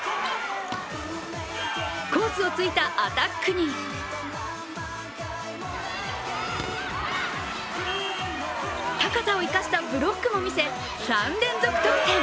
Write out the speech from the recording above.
コースをついたアタックに高さを生かしたブロックも見せ３連続得点。